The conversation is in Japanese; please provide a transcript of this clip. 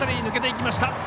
抜けていきました。